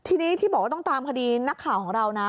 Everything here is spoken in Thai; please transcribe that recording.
ทีนี้ที่บอกว่าต้องตามคดีนักข่าวของเรานะ